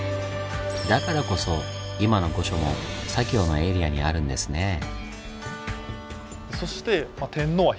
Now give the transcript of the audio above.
だからこそ今の御所も左京のエリアにあるんですねぇ。